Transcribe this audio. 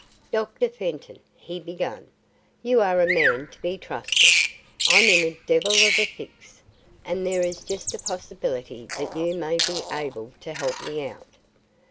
"Dr. Fenton," he began, "you are a man to be trusted. I'm in a devil of a fix, and there is just a possibility that you may be able to help me out.